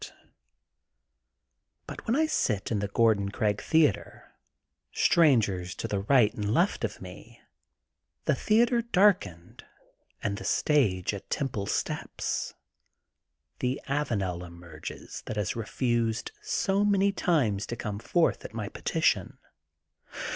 But when I sit in the Gordon Craig Theatre, strangers to the right and left of me, the theatre darkened and the stage a temple steps, the Avanel emerges that has refused so many times to come forth at my petition.